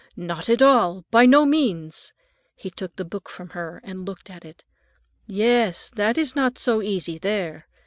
"Not at all! By no means." He took the book from her and looked at it. "Yes, that is not so easy, there.